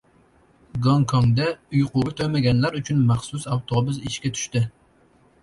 Gongkongda uyquga to‘ymaganlar uchun maxsus avtobus ishga tushdi